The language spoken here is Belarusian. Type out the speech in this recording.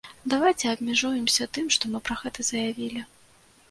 Давайце абмяжуемся тым, што мы пра гэта заявілі.